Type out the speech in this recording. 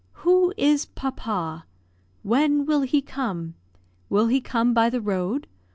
"Who is papa?" "When will he come?" "Will he come by the road?"